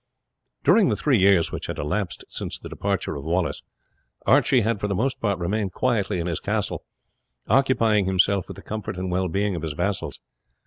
During the three years which had elapsed since the departure of Wallace, Archie had for the most part remained quietly in his castle, occupying himself with the comfort and wellbeing of his vassals.